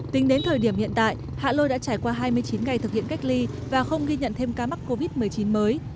tính đến thời điểm hiện tại hạ lôi đã trải qua hai mươi chín ngày thực hiện cách ly và không ghi nhận thêm ca mắc covid một mươi chín mới